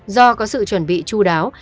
do có sự chuẩn bị chú đáo